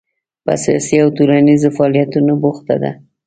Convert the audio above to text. په سیاسي او ټولنیزو فعالیتونو بوخته ده.